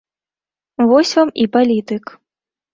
Вось вам і палітык.